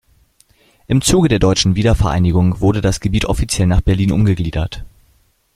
Im Zuge der deutschen Wiedervereinigung wurde das Gebiet offiziell nach Berlin umgegliedert.